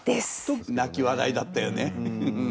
泣き笑いだったよね。